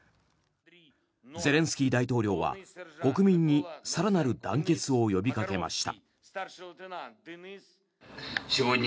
ゼレンスキー大統領は国民に更なる団結を呼びかけました。